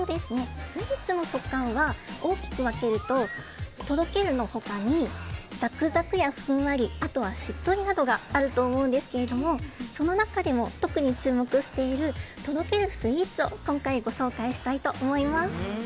スイーツの食感は大きく分けるととろけるの他にザクザクやふんわりあとは、しっとりなどがあると思うんですけれどもその中でも特に注目しているとろけるスイーツを今回ご紹介したいと思います。